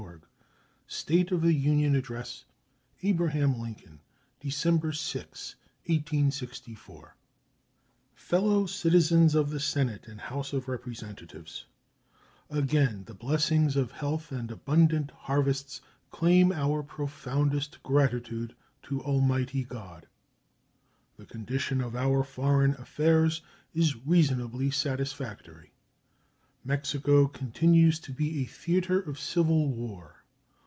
State of the Union Address Abraham Lincoln December 6, 1864 Fellow Citizens of the Senate and House of Representatives: Again the blessings of health and abundant harvests claim our profoundest gratitude to Almighty God. The condition of our foreign affairs is reasonably satisfactory. Mexico continues to be a theater of civil war.